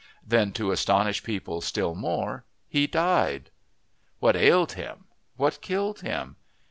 Then to astonish people still more, he died. What ailed him what killed him?